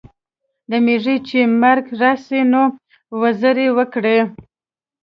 د میږي چي مرګ راسي نو، وزري وکړي.